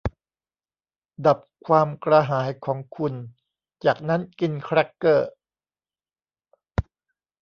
ดับความกระหายของคุณจากนั้นกินแครกเกอร์